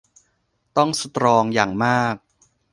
ต้องสตรองอย่างมาก